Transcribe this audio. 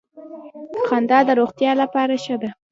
خندا د روغتیا لپاره ښه ده